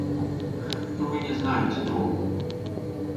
Но вы не знаете толку.